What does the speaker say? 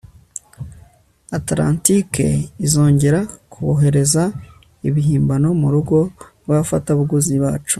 Atlantike izongera kohereza ibihimbano murugo rwabafatabuguzi bacu